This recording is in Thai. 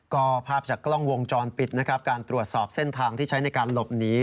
ก็ภาพจากกล้องวงจรปิดนะครับการตรวจสอบเส้นทางที่ใช้ในการหลบหนี